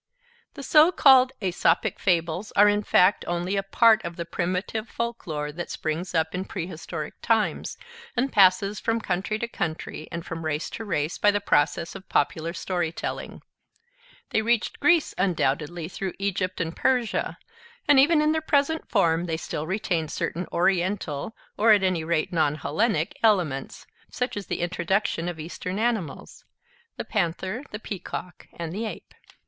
The so called Aesopic Fables are in fact only a part of the primitive folk lore, that springs up in prehistoric times, and passes from country to country and from race to race by the process of popular story telling. They reached Greece, undoubtedly through Egypt and Persia, and even in their present form they still retain certain Oriental, or at any rate non Hellenic elements, such as the introduction of Eastern animals, the panther, the peacock, and the ape.